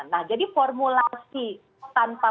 nah jadi formulasi tanpa